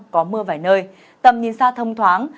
có mưa vài nơi tầm nhìn xa thông thoáng